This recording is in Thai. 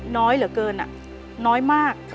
น้อยเหลือเกินน้อยมาก